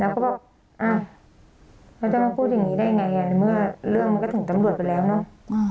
แล้วก็บอกเขาจะมาพูดอย่างนี้ได้ยังไงในเมื่อเรื่องมันก็ถึงตำรวจไปแล้วเนอะ